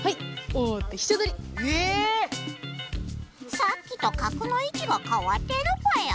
さっきと角のいちがかわってるぽよ。